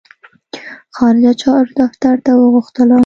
خارجه چارو دفتر ته وغوښتلم.